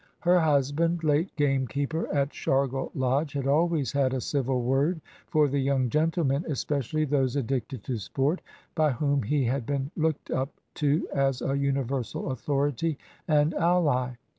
Her husband, late gamekeeper at Shargle Lodge, had always had a civil word for the young gentlemen, especially those addicted to sport, by whom he had been looked up to as a universal authority and ally.